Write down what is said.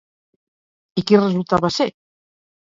I qui resultava ser?